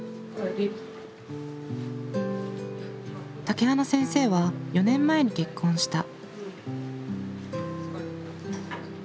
竹花先生は４年前に結婚した。